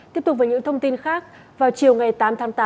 tiếp tục với những thông tin khác vào chiều ngày tám tháng tám